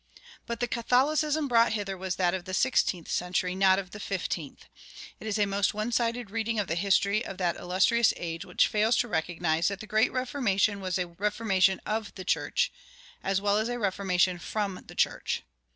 But the Catholicism brought hither was that of the sixteenth century, not of the fifteenth. It is a most one sided reading of the history of that illustrious age which fails to recognize that the great Reformation was a reformation of the church as well as a reformation from the church.